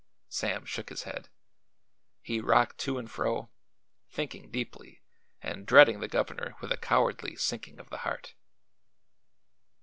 Sam shook his head. He rocked to and fro, thinking deeply and dreading the governor with a cowardly sinking of the heart.